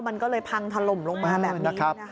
มันก็เลยพังทะลมลงมาแบบนี้นะครับ